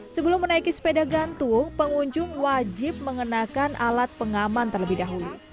sebelum menaiki sepeda gantung pengunjung wajib mengenakan alat pengaman terlebih dahulu